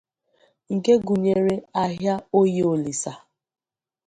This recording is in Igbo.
nke gụnyere Ahịa Oye-Olisa